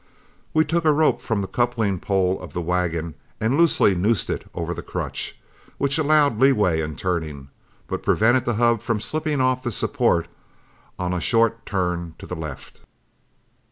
We took a rope from the coupling pole of the wagon and loosely noosed it over the crutch, which allowed leeway in turning, but prevented the hub from slipping off the support on a short turn to the left.